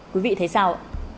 quý vị thấy sao